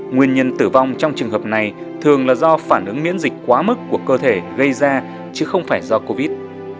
nguyên nhân tử vong trong trường hợp này thường là do phản ứng miễn dịch quá mức của cơ thể gây ra chứ không phải do covid